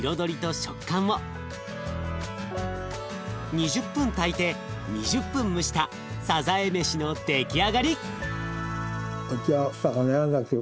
２０分炊いて２０分蒸したさざえ飯の出来上がり！